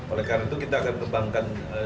oleh karena itu kita akan kembangkan